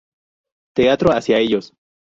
Teatro hacia ellos.